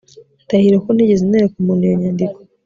Ndahiro ko ntigeze nereka umuntu iyo nyandiko